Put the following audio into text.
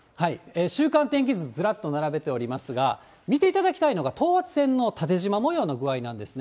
週間天気図、ずらっと並べておりますが、見ていただきたいのが、等圧線の縦じま模様の具合なんですね。